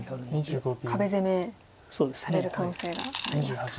攻めされる可能性がありますか。